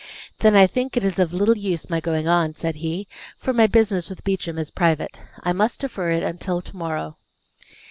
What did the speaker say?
"Then I think it is of little use my going on," said he, "for my business with Beauchamp is private. I must defer it until to morrow."